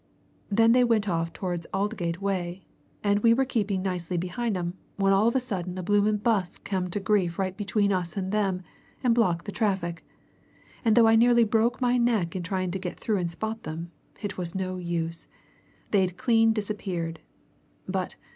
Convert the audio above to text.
Then they went off towards Aldgate way and we were keeping nicely behind 'em when all of a sudden a blooming 'bus came to grief right between us and them, and blocked the traffic! And though I nearly broke my neck in trying to get through and spot them, it was no use. They'd clean disappeared. But!